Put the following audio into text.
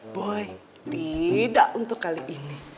boy tidak untuk kali ini